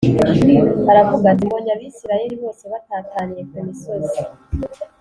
aravuga ati mbonye Abisirayeli bose batataniye ku misozi